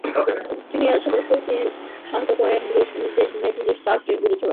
তিনি এসে পরিস্থিতি শান্ত করতে গুলির নির্দেশ দিলে পুলিশ চারটি গুলি ছোড়ে।